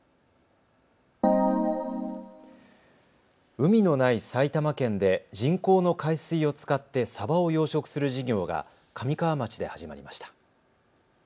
海のない埼玉県で人工の海水を使ってサバを養殖する事業が神川町で始まりました。